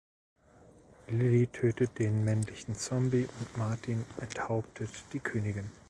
Lily tötet den männlichen Zombie und Martin enthauptet die Königin.